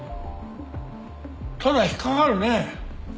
ただ引っ掛かるね。